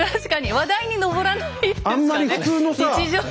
話題に上らないですかね